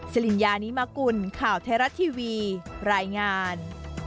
สิริญญานิมกุลข่าวไทยรัฐทีวีรายงาน